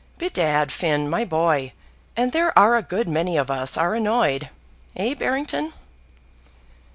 "Bedad, Finn, my boy, and there are a good many of us are annoyed; eh, Barrington?"